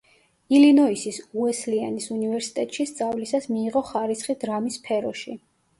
ილინოისის უესლიანის უნივერსიტეტში სწავლისას მიიღო ხარისხი დრამის სფეროში.